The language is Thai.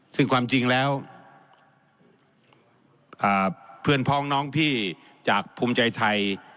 ซึ่งความจริงแล้วเพื่อนพ้องน้องพี่จากภูมิใจไทย